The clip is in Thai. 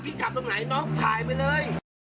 ขับตรงไหนน้องถ่ายไปเลย